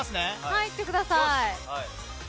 入ってください。